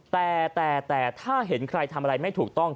แต่แต่ถ้าเห็นใครทำอะไรไม่ถูกต้อง